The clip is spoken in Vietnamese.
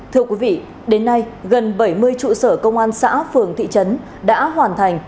thưa quý vị đến nay gần bảy mươi trụ sở công an xã phường thị trấn đã hoàn thành